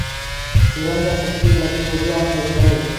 திறந்த சுற்று விளக்கு எரியாமல் இருத்தல்.